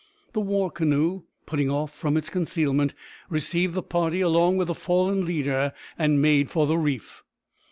The war canoe, putting off from its concealment, received the party along with the fallen leader, and made for the reef.